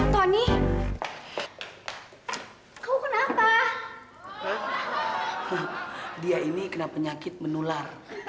tony kau kenapa dia ini kena penyakit menular